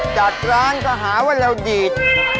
จัดร้านก็หาว่าเราดีด